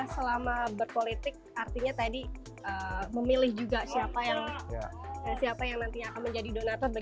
selama berpolitik artinya tadi memilih juga siapa yang nantinya akan menjadi donator